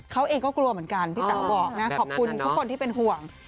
เขาเองก็กลัวเหมือนกันพี่เต๋าบอกนะขอบคุณทุกคนที่เป็นห่วง